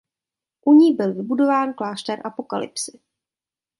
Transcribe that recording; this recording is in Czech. U ní byl vybudován klášter Apokalypsy.